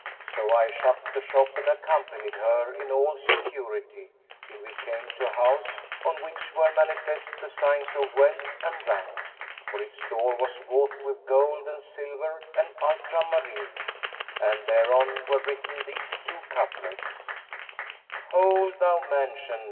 '[FN#198] So I shut the shop and accompanied her, in all security, till we came to a house, on which were manifest the signs of wealth and rank; for its door was wrought with gold and silver and ultramarine, and thereon were written these two couplets, 'Hole, thou mansion!